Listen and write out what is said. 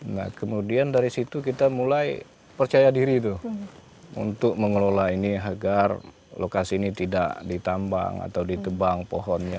nah kemudian dari situ kita mulai percaya diri tuh untuk mengelola ini agar lokasi ini tidak ditambang atau ditebang pohonnya